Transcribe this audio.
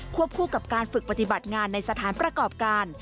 คู่กับการฝึกปฏิบัติงานในสถานประกอบการ